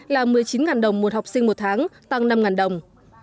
là một mươi chín đồng một học sinh một tháng tăng năm đồng